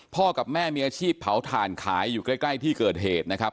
กับแม่มีอาชีพเผาถ่านขายอยู่ใกล้ที่เกิดเหตุนะครับ